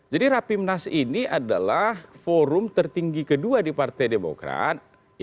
jadi rapimnas ini adalah forum tertinggi kedua di partai demokrat